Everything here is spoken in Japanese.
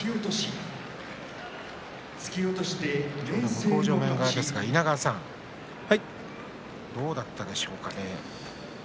向正面の稲川さんどうだったでしょうかね。